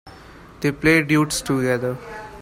They play duets together.